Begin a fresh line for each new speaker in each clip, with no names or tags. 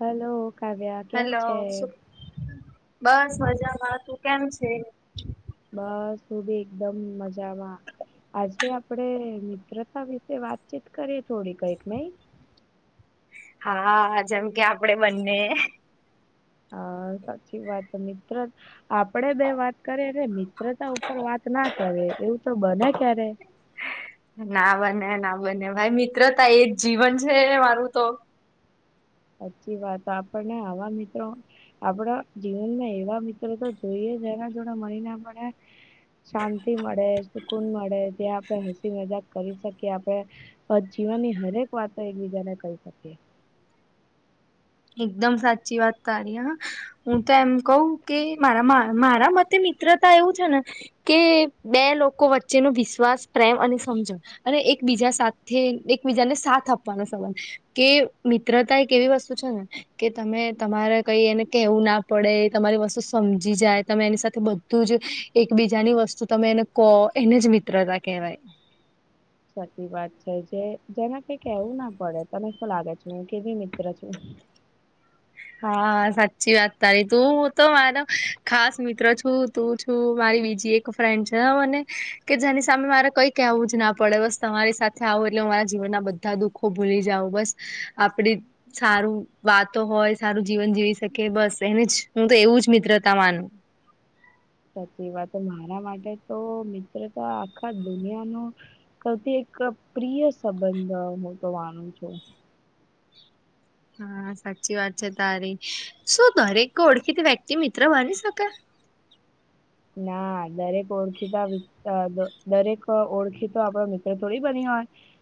Hello Kavya કેમ
hello
છે.
બસ મજામાં તું કેમ છે.
બસ તું ભી એકદમ મજામાં. આજે આપડે મિત્રતા વિશે વાતચીત કરીએ થોડી કઈક નઈ.?
હા જેમ કે આપડે બંને
હા સાચી વાત છે મિત્ર આપણે બે વાત કરીએ છીએ ને મિત્રતા ઉપર વાત ન કરે એવું તો બને ક્યારે.
ના બને ના બને ભાઈ મિત્રતા એ જ જીવન છે મારું તો.
સાચી વાત આપણને આવા મિત્રો આપણા જીવનમાં એવા મિત્રો તો જોઈએ જેના જોડે [unintelligible] શાંતિ મળે સુકૂન મળે ત્યા આપણે હસી મજાક કરી શકીએ આપણે પણ જીવન ની હરેક વાતો એકબીજાને કહી શકીએ.
એકદમ સાચી વાત તારી હ. હું તો એમ કવ કે મારા મારા મતે મિત્રતા એવું છે ન કે બે લોકો વચ્ચે ને વિશ્વાસ પ્રેમ અને સમજણ. અને એકબીજા સાથે એકબીજાને સાથ આપવાનો સબંધ કે મિત્રતા એક એવી વસ્તુ ત છે ન કે તમે તમારે કઈ એને ના પડે તમારી વસ્તુ સમજી જાય તમે એની સાથે બ તું જ એકબીજાની વસ્તુ તમે એને કો એને જ મિત્રતા કહેવાય.
સાચી વાત છે જે જેને કઈ કેવું ના પડે તને શું લાગે છે હું કેવી મિત્ર છુ.
હા સાચી વાત તારી તું તો મારો ખાસ મિત્રો છું તું છું મારી બીજી એક ફ્રેન્ડ છ મને કે જેની સામે મારે કઈ કેવું જ ના પડે બસ તમારી સાથ આવો એટલે મારા જીવનના બધા દુઃખો ભૂલી જાવ બસ આપણી સારું વાતો હોય સારું જીવન જીવી શકે બસ એને જ હું તો એવું જ મિત્રતા માનું.
સાચી વાત મારા માટે તો મિત્રતા આખા દુનિયા નો સૌથી એક પ્રિય સંબંધ હું તો માનું છું.
હા સાચી વાત છે તારી શું દરેક ઓળખીતી વ્યક્તિ મિત્ર બની શકે
ના દરેક ઓળખીતા દરેક ઓળખીતો આપડો મિત્ર થોડી બની હોય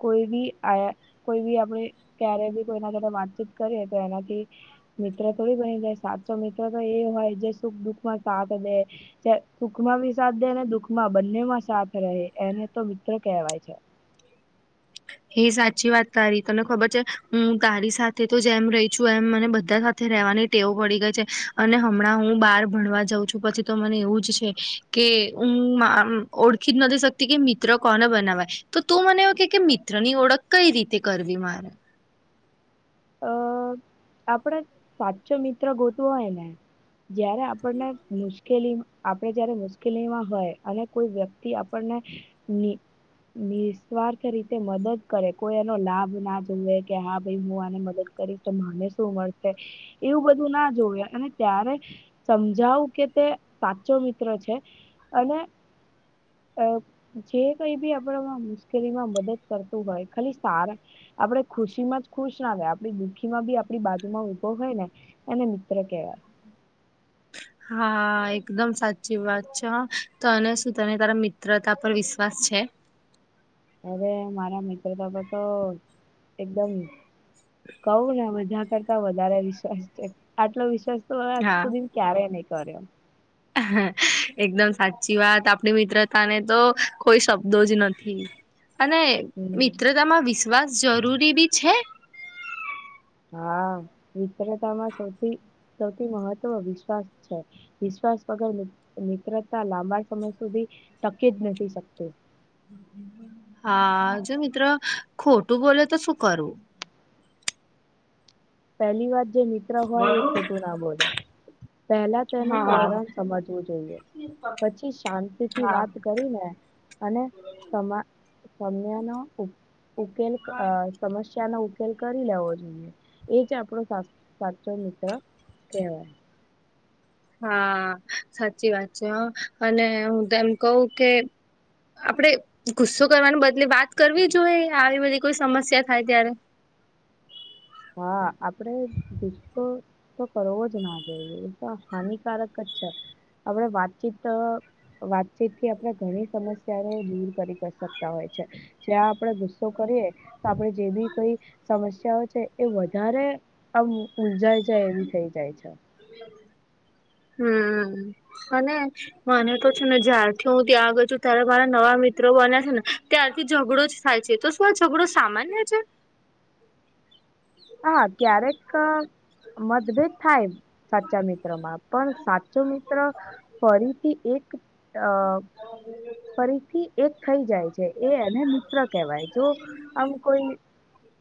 કોઈ બી આયા કોઈ બી આપણે ક્યારે બી કોઈના સાથે વાતચીત કરીએ તો એનાથી મિત્ર થોડી બની જાય સાચો મિત્ર તો એ હોય જે સુખ દુઃખ માં સા [unintelligible] સુખમાં ભી સાથ દે અને દુઃખ માં ભી બંનેમાં સાથ રહે એને તો મિત્રો કહેવાય છે.
એ સાચી વાત તારી તને ખબર છે હું તારી સાથે તો જેમ રહી છું એમ મને બધા સાથે રેવાની ટેવ પડી ગઈ છે અને હમણાં હું બહાર ભણવા જાઉં છું પછી તો મને એવું જ છે કે હું આમ ઓળખી જ નથી શકતી કે મિત્ર કોને બનાવાય તો તું મને એવું કે કે મિત્ર મિત્ર ની ઓળખ કઈ રીતે કરવી મારે.
અ આપણે સાચો મિત્ર ગોતવો હોય ને જ્યારે આપણ ને મુશ્કેલી મા આપણે જયારે મુશ્કેલીમાં હોય અને કોઈ વ્યક્તિ આપણને ની નિસ્વાર્થ રીતે મદદ કરે કોઈ એનો લાભ ના જોવે કે હા ભાઈ હું આને મદદ કરીશ તો મને શું મળશે એવું બધું ના જોવે અને ત્યારે સમજવું કે તે સાચો મિત્ર છે અને અ જે કઈ બી આપણેમાં મુશ્કેલીમાં મદદ કરતું હોય ખાલી સારા આપણે ખુશી માં જ ખુશ નારે આપ દુઃખી માં બી આપણી બાજુમાં ઊભો હોય ને એને મિત્ર કહેવાય.
હા, એકદમ સાચી વાત છે તને શું તને તારા મિત્ર મિત્રતા પર વિશ્વાસ છે.
હવે મારા મિત્ર માટે તો એકદમ કહું ને બધા કરતા વધારે વિશ્વાસ છે આટલો વિશ્વાસ... તો આજ
હા
સુધી ક્યારે નહી કર્યો.
હ એકદમ સાચી વાત આપણી મિત્રતા ને તો કોઈ શબ્દો જ નથી. અને
હમ
મિત્રતામાં વિશ્વાસ જરૂરી બી છે.
હા [inaudible] સૌથી સૌથી મહત્વ વિશ્વાસ છે વિશ્વાસ વગર [unintelligible] લાંબા સમય સુધી ટકી જ નથી શકતું.
હા, જો મિત્ર ખોટું તો શું કરવું.
પહેલી વાર જે મિત્ર હોય એ ખોટું ના બોલે. પહેલા તેનું કારણ સમજવું જોઈએ. પછી શાંતિ થી વાત કરીને અને એને શમા સમય નો ઉકેલ સમસ્યા નો ઉકેલ કરી લેવો જોઈએ. એજ આપણો સા સાચો મિત્ર કહેવાય.
હા, સાચી વાત છે હ અને હું તેમમ કહેવું કે. આપડે ગુસ્સો કરવાના બદલે વાત કરવી જોઈએ યાર આવી બધી કોઈ સમસ્યા થાય ત્યારે.
હા, આપડે દુસ્તો. તો કરવો જ ના જોઈએ એ તો હાનિકારક જ છે આપણે વાતચીત. વાતચીતથી આપણે ઘણી સમસ્યાઓ દૂર કરી શકતા હોય છે. જ્યાં આપડે ગુસ્સો કરીએ તો આપે જે બી કોઈ સમસ્યાઓ. એ વધારે આમ ઉલજાઈ જાય એવી થઇ જાય છે.
હમ અને ને. મને તો છે ને જ્યારથી હું ત્યાં ગયો છું ત્યારે મારા નવા મિત્રો બન્યા છે ને. ત્યારથી ઝઘડો જ થાય છે તો શું આ ઝઘડો સામાન્ય છે.
હા, ક્યારેક મતભેદ થાય. સાચા મિત્રમાં પણ સાચો ફરીથી એક [inaudible]
[inaudible]
ફરીથી એક થઈ જાય છે એ એને મિત્ર કહેવાય જો આમ કોઈ.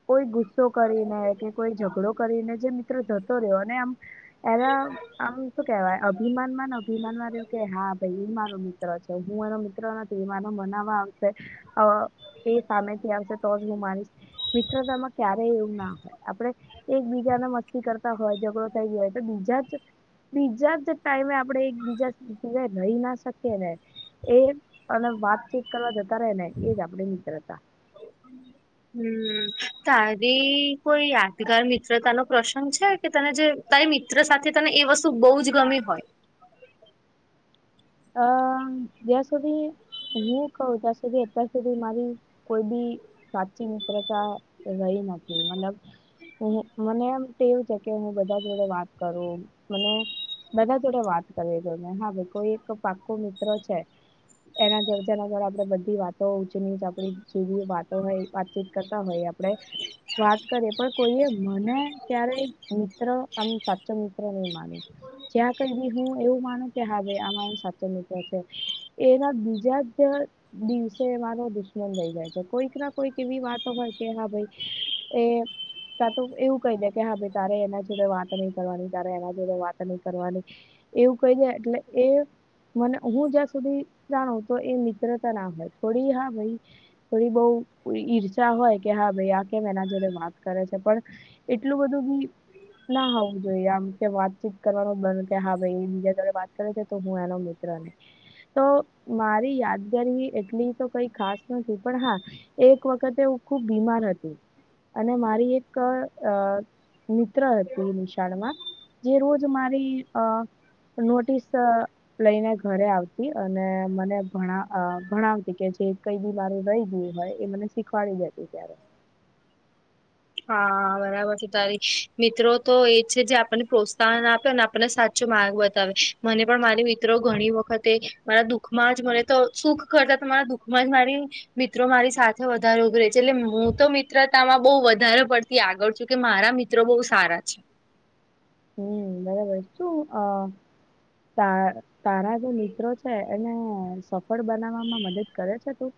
કોઈ ગુસ્સો કરીને કે કોઈ ઝઘડો કરીને જે મિત્રો જતો રહ્યો ને એમ. [inaudible] આમ શું કેવાય અભિમાન માંને અભિમાનમાંન એવું કે હા ભાઈ એ મારો મિત્ર છે હું એનો મિત્ર. [unintelligible] મનાવા આવશે એ સામેથી આવશે તોજ હું માનીશ. મિત્રતામાં ક્યારેય એવું ના હોય આપણે એકબીજાને મસ્તી કરતા. [inaudible] થઈ હોય તો બીજા બીજા જ ટાઈમે આપણે એક બીજા રહી ના શકીએ ને એ. અને વાતચીત કરવા જતા રહે ને એ આપણી મિત્રતા
હમ, તારી કોઈ યાદગાર મિત્રતા નો પ્રસંગ છે? કે તને જે તારી મિત્ર સાથે તને એ વસ્તું બહુ જ ગમી હોય
અહ જ્યાં સુધી હું કઉ ત્યાં સુધી અત્યાંર સુધી મારી કોઈ બી સાચી મિત્રતા રહી નથી. મતલબ [unintelligible] મને એમ ટેવ છે કે હું બધા જ જોડે વાત કરું. મને બધા જોડે વાત કરીએ [unintelligible] હા ભઈ કોઈ એક [unintelligible] પાકો મિત્ર છે, એના જોડે જરા-જરા આપણે બધી વાત તો [unintelligible] આપણી જેવી વાતો હોય, વાતચીત કરતા હોય આપણેે વાત કરીએ, પણ કોઈએ મને ક્યારેય મિત્ર આમ સાચો મિત્ર નહીં માન્યું. જ્યાં કંઈ બી હું એવું માનું કે હા ભઈ આ મારો સાચ ચો મિત્ર છે, એના બીજા જ [unintelligible] દિવસે મારો દુશ્મન થઈ જાય છે. કોઈક ના કોઈક એવી વાતો હોય, કે હા ભાઈ એ કાં તો એવું કહી દે, કે હા ભાઈ તારે એના જોડે વાત નહીં કરવાની, તારે એના જોડે વાત નહીં કરવાની. એવું કહીને એટલે એ મને હું જ્યાં સુધી જાણું તો એ મિત્રતા ના હોય. થોડી હા ભઈ થોડી બહુ [unintelligible] ઈર્ષા હોય ક કે હા ભાઈ આ કેમ એના જોડે વાત કરે છે. પણ એટલું બધું ભી ના હોવું જોઈએ આમ, કે વાતચીત કરવાનું બંધ, કે હા ભાઈ ઈ બીજા જોડે વાત કરે છે તો હું એનો મિત્ર નહીં. તો મારી યાદગારી એટલી તો કંઈ ખાસ નથી, પણ હા એક વખતે હુ ખુબ બીમાર હતી. અને મારી એક અહ મિત્ર હતી ઈ નિશાળ માં. જે રોજ મારી અહ નોટીસ અહ તેના ઘરે આવતી. અને મને ભણા અહ ભણાવતી, કે જે કંઈ બી મારું રહી ગયું હોય, એ મને શીખવાડી જતી ત્યારે.
હા, બરાબર છે તારી. મિત્રો તો એ છે જે આપણને પ્રોત્સાહન આપે ને આપણને સાચ ચો માર્ગ બતાવે. મને પણ મારી મિત્રો ઘણી વખતે મારા દુઃખ માં જ મને તો સુખ કરતા તો મારા દુખ માં જ મારી મિત્રો મારી સાથે વધારે ઉભી રહે છે. એટલે હું તો મિત્રતામાં બહુ વધારે પડતી આગળ છું, કે મારા મિત્ મિત્રો બહુ સારા છે.
હમ્મ બરાબર છે. શું અહ તા તારા જે મિત્રો છે એને સફળ બનાવવામાં મદદ કરે છે તું?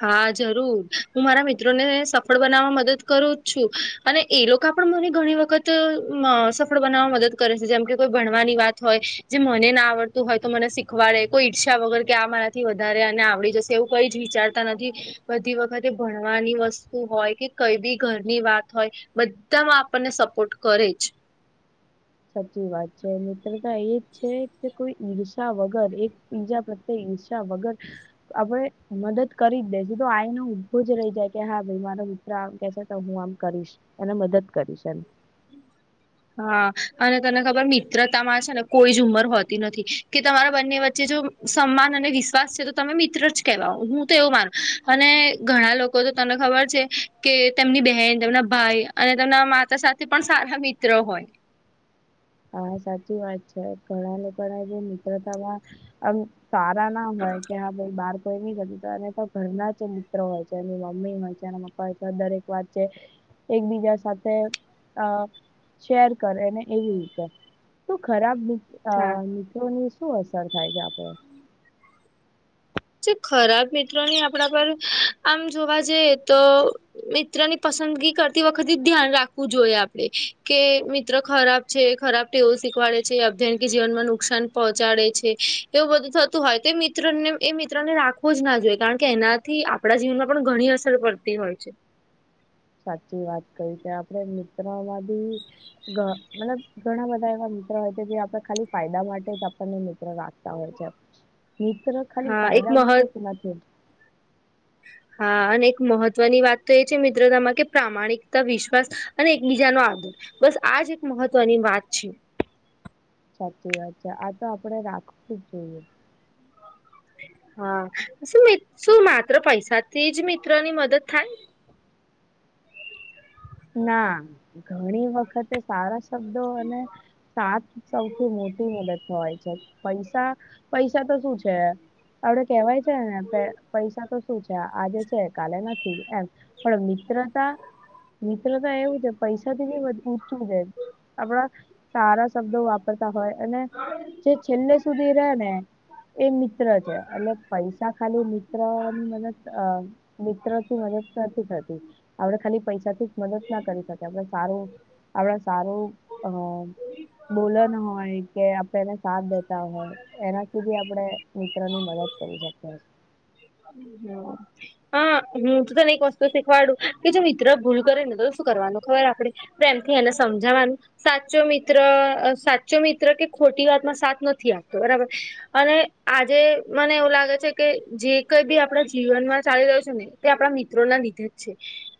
હા જરૂર. હું મારા મિત્રોને સફળ બનાવવામાં મદદ કરું જ છું. અને એ લોકા પણ મને ઘણી વખત મ સફળ બનાવવામાં મદદ કરે છે. જેમ કે કોઈ ભણવાની વાત હોય જે મને ના આવડતું હોય તો મને શીખવાડે, કોઈ ઈર્ષા વગર કે આ મારાથી વધારે એને આવડી જશે, એવું કઈ જ વિચાર તા નથી. બધી વખતે ભણવાની વસ્તુ હોય, કે કંઈ બી ઘરની વાત હોય બધામાં આપણને સપોર્ટ કરે જ.
સાચી વાત છે. મિત્રતા એ જ છે કે કોઈ ઈર્ષા વગર એક બીજા પ્રત્યે ઈર્ષા વગર આપણે મદદ કરી જ દે છે. તો આઈનો ઉભો જ રહી જાય કે, હા ભાઈ મારો મિત ત્ર આમ કહે છે તો હું આમ કરીશ. એને મદદ કરીશ એમ.
હા. અને તને ખબર મિત્રતામાં છે ને કોઈ જ ઉંમર હોતી નથી. કે તમારા બંને વચ્ચે જો સન્માન અને વિશ્વાસ છે, તો તમે મિત્ર જ કેવાવ, હું તો એવું માનું. અને ઘણા લોક કો તો તને ખબર છે, કે તેમની બહેન, તેમના ભાઈ અને તેમના માતા સાથે પણ સારા મિત્ ત્ર હોય.
હા સાચી વાત છે. ઘણા લોકાના જે મિત્રતામાં આમ સારા ના હોય, કે હા ભાઈ બાર- કોઈ ની તો ઘરના જે મિત્રો હોય છે, એ મમ્મી હોય છે, એ પપ્પા હોય દરેક વાત છે. - એકબીજા સાથે, અ શેર કરેને એવી- તો ખરાબ
હા
મિત્રનો ની, શું? અસર થાય છે આપડે-
ખરાબ મિત્રોની, આપણા પર આમ જોવા જઈ તો- મિત્ર ની પસંદગી કરતી વખતે ધ્યાન રાખવું જોઈએ, આપડે કે મિત્ર ખરાબ- -છે ખરાબ ટેવઓ શીખવાડે છે, અભ્યાનિક જીવનમાં નુકસાન પહોંચાડે છે. એવું બધું થતું હોય, તે મિત્ર ને- -એ મિત્ર ને રાખવો જ ના જોઈએ. કારણ એનાથી, આપણા જીવનમાં પણ ઘણી અસર પડતી હોય છે.
-સાચી વાત કહી કે, આપણે મિત્રોમાં બી- મતલબ ઘણા બધા એવા મિત્રો હોય, કે જે આપણે ખાલી ફાયદા માટે જ આપણને મીત્ર રાખી- ઉતાવળ હોય છે, મિત્ર ખાલી
હા એક
ફાયદા માટે
મહત્
જ નથી. -
હા, અને એક મહત્વની વાત તો એ છે, મિત્રતામાં કે પ્રામાણિકતા વિશ્વાસ અને એકબીજાનો આદર- -બસ આજ એક મહત્વની વાત છે.
સાચી વાત છે, આ તો આપણેે રાખવું જોઈએ.
હા, શું શું માત્ર પૈસાથી જ મિત્ર ની મદદ થાય?
ના, ઘણી વખતે સારા- -શબ્દો અને સાથ સૌથી મોટી મદદ થવાય છે. પૈસા, પૈસા તો શું છે? આપડે કેવાય છે ને, પૈસા તો શું છે? આજે છે કાલે નથી એમ. પણ, મિત્રતા- મિત્રતા તો એવું છે. પૈસા થી ની વધતું- શું છે? આપણા સારા શબ્દો વાપરતા હોય, અને- જે છેલ્લે સુધી રે ને- એ મિત્ર છે. અને પૈસા ખાલી મિત્રની મ- અ મિત્રથી મદદ નથી થતી, આપડે ખાલી પૈસા- મદદ ના કરી શકાય, આપ સારું આપણા સારું અ- બોલો નો હોય, કે આપે સાથ દેતા હોય- એનાથી બી, પણે મિત્રો ની મદદ કરી શકીએ છીએ.
હમ્મ. હા, હું તો તને એક વસ્તુ શીખવાડું, કે જો મિત્ર ભૂલ કરે ને તો શું કરવાનું ખબર આપડે- પ્રેમથી એને સમજાવાનું- સાચો મિત્ર સાચો મિત્ર, કે ખોટી વાતમાં સાથ નથી આપતો બરાબર. અને, આજે મને એવું લાગે છે, કે જે કઈ બી આપણા જીવનમાં ચાલી રહ્યો છે ને? - -તે આપણા મિત્રો ના લીધે જ છે.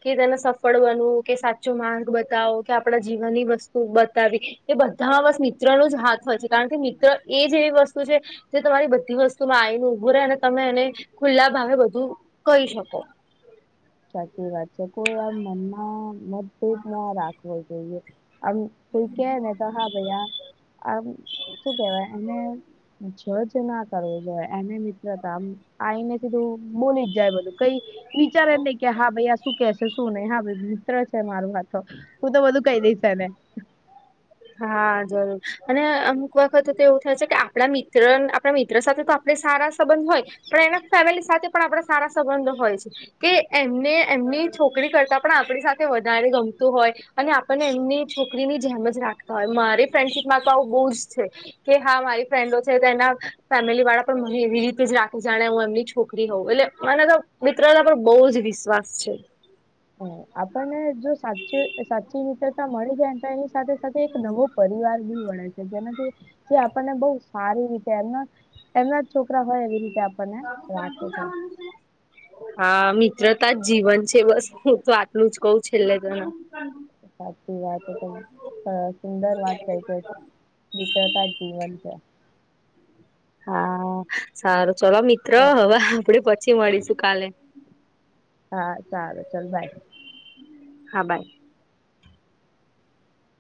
કે તેને સફળ બનવું, કે સાચો માર્ગ બતાવો કે, આપણા જીવનની વસ્તુ બતાવી- એ બધા અવાસ મિત્રનો જ હાથ હોય છે. કારણ કે મિત્ર એ જ એવી વસ્તુ છે- જે તમારી બધી વસ્તુમાં આવીને ઉભું રહેે, અને તમે એને ખુલ્લા ભાવે બધું કહી શકો.
સાચી વાત છે, કોઈ આમ મનમાં મતભેદ ના રાખવો જોઈએ. આમ- -કોઈ કે ને તો હા, ભૈય આમ શું કેવાય એને- [unintelligible] ના કરવો જોઈએ, એને મિત્રતા આઈને- બધુ બોલી જ જાય, બધું કઈ વિચારે જ નહી. કે હા ભાઈ, આ શું કે છે, શું નહી હા ભાઈ મિત્ર છે મારો. આ તો હું તો બધું કહી દઈશ એને.
હા જરૂર અને અમુક વખતે તો એવું થાય છે, કે આપણા મિત્ર આપણા મિત્ર સાથે તો આ- આપડે સારા સંબંધ હોય, પણ એના ફેમિલી સાથે પણ આપણા સારા સંબંધ હોય છે. કે એમને એમની છોકરી કરતા પણ આપણી સાથે વધારે ગમતું હોય. અને આપણને એમની છોકરીની જેમ જ રાખતા હોય મારે ફ્રેન્ડશિપ માં તો આવું બહુ જ છે. કે હા મારી ફ્રેન્ડો છે તો એના ફેમિલી વાળા પણ મને એવી રીતે જ રાખી જાણે હું એમની છોકરી હોઉં એટલે મને તો મિત્રતા પર બહુ જ વિશ્વાસ છે.
હમ્મ આપણને જો સાચે સાચી મિત્રતા મળી જાય ને તો એની સાથે સાથે એક નવો પરિવાર બી બને છે. જેનાથી જે આપણને બહું સારી રીતે એમના એમના જ છોકરા હોય એવી રીતે આપણને રાખે છે.
હા મિત્રતા જ જીવન છે બસ હું તો આટલું જ કંઉ છેલ્લે ધણાં
સાચી વાત તો તો અ સુંદર વાત થઈ ગઈ મિત્રતા ‌જ જીવન છે.
હા સારું ચલો મિત્ર હવે આપણે પછી મળીશું કાલે
હા સારુ ચલ બાય
હા બાય